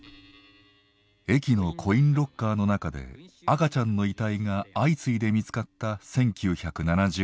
駅のコインロッカーの中で赤ちゃんの遺体が相次いで見つかった１９７０年代。